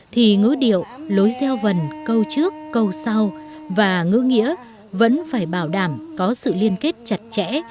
thì ngữ điệu lối gieo vần câu trước câu sau và ngữ nghĩa vẫn phải bảo đảm có sự liên kết chặt chẽ